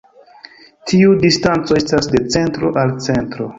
Tiu distanco estas de centro al centro.